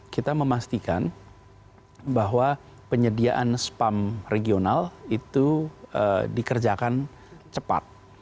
kita memastikan bahwa penyediaan spam regional itu dikerjakan cepat